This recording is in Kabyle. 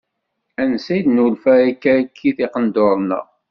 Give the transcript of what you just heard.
Ansa i d-nulfan akka akkit iqenduṛen-a?